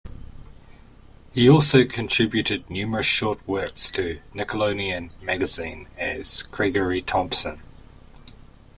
He also contributed numerous short works to "Nickelodeon Magazine", as "Craigory Thompson.